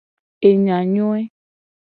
Enyanyoe.